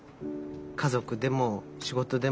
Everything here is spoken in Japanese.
家族でも仕事でも。